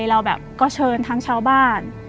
เราแบบก็เชิญทั้งชาวบ้าน